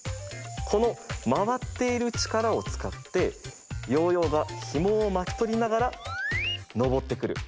このまわっているちからをつかってヨーヨーがひもをまきとりながらのぼってくる。